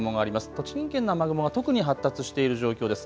栃木県の雨雲が特に発達している状況です。